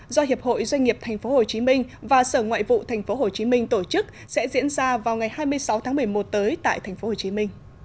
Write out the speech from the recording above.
do hiệp hội doanh nghiệp tp hcm và sở ngoại vụ tp hcm tổ chức sẽ diễn ra vào ngày hai mươi sáu tháng một mươi một tới tại tp hcm